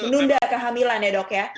nunda kehamilan ya dok ya